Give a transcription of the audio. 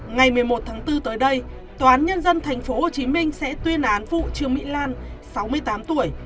ngày một mươi một tháng bốn tới đây tòa án nhân dân tp hcm sẽ tuyên án vụ trương mỹ lan sáu mươi tám tuổi